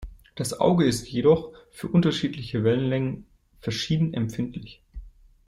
Das Auge ist jedoch für unterschiedliche Wellenlängen verschieden empfindlich.